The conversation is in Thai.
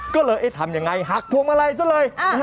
ก็เลยทำยังไงหักพวงมาลัยซะเลย